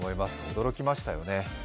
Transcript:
驚きましたよね。